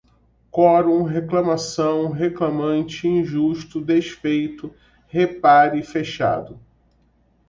quorum, reclamação, reclamante, injusto, desfeito, repare, fechado